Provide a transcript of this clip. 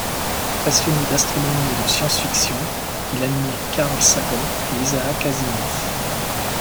Passionné d'astronomie et de science-fiction, il admire Carl Sagan et Isaac Asimov.